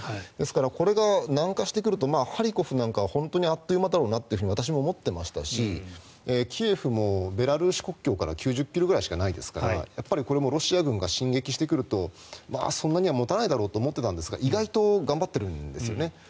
ですからこれが南下してくるとハリコフなんかは本当にあっという間だろうなと私も思っていましたしキエフもベラルーシ国境から９０ｋｍくらいしかないですからやっぱりこれもロシア軍が進撃してくるとそんなに持たないだろうと思っていたんですが意外と頑張ってるんです。